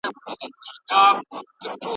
د پوهانو نظر څه دی؟